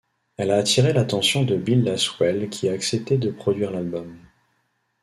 Elle a atiré l'attention de Bill Laswell qui a accepté de produire l'album.